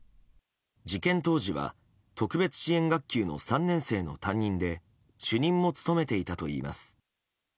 事件当時は特別支援学級の３年生の担任で主任も務めていたといいます。